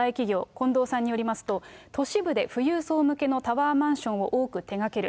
近藤さんによりますと、都市部で富裕層向けのタワーマンションを多く手がける。